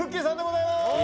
さんでございます。